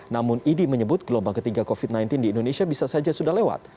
namun idi menyebut gelombang ketiga covid sembilan belas di indonesia bisa saja sudah lewat